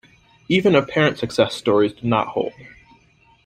Even apparent success stories did not hold.